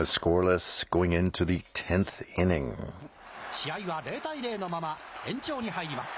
試合は０対０のまま延長に入ります。